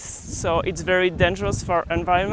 jadi ini sangat berbahaya untuk alam